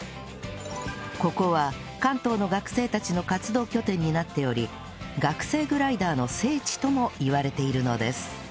ここは関東の学生たちの活動拠点になっており学生グライダーの聖地ともいわれているのです